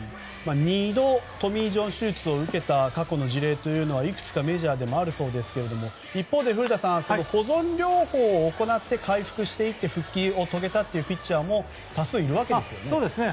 ２度トミー・ジョン手術を受けた過去の事例はメジャーでもいくつかあるそうですが一方で、保存療法を行って回復していって復帰を遂げたというピッチャーも多数いるわけですね。